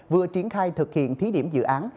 vừa triển khai thực hiện thí điểm dự án